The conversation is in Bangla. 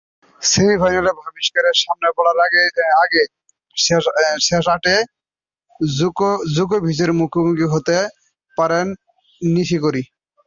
সেমিফাইনালে ভাভরিঙ্কার সামনে পড়ার আগে শেষ আটে জোকোভিচের মুখোমুখি হতে পারেন নিশিকোরি।